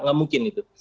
nggak mungkin itu